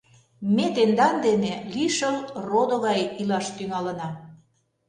Ме тендан дене лишыл родо гай илаш тӱҥалына.